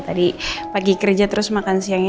tadi pagi kerja terus makan siangnya